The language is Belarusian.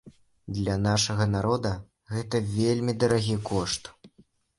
Для нашага народа гэта вельмі дарагі кошт.